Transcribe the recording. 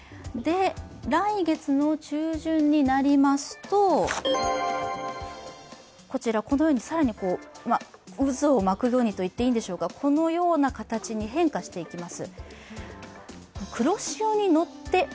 来月中旬になりますと、このように更に渦を巻くようにと言っていいんでしょうか、このような形に変化していきます。